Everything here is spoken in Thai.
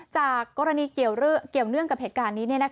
จากกรณีเกี่ยวเนื่องกับเหตุการณ์นี้